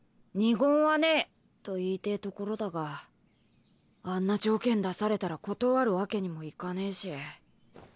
二言はねえと言いてえところだがあんな条件出されたら断るわけにもいかねえし。